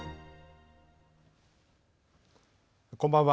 こんばんは。